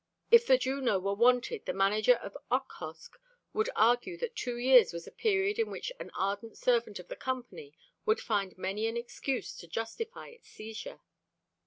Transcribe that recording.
If the Juno were wanted the manager of Okhotsk would argue that two years was a period in which an ardent servant of the Company would find many an excuse to justify its seizure.